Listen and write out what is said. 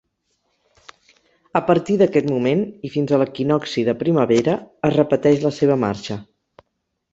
A partir d'aquest moment i fins a l'equinocci de primavera es repeteix la seva marxa.